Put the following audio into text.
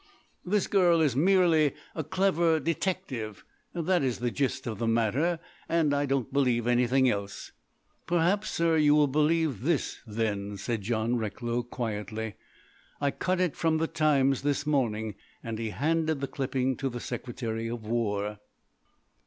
"This girl is merely a clever detective, that is the gist of the matter. And I don't believe anything else." "Perhaps, sir, you will believe this, then," said John Recklow quietly. "I cut it from the Times this morning." And he handed the clipping to the Secretary of War.